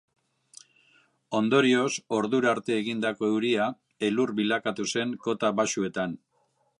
Ondorioz, ordura arte egindako euria elur bilakatu zen kota baxuetan.